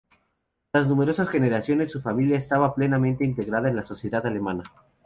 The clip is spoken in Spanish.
Tras numerosas generaciones, su familia estaba plenamente integrada en la sociedad alemana.